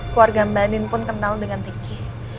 keluarga mbak anin pun kenal dengan riki